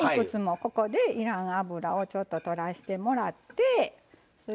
ここでいらん油をちょっととらしてもらって。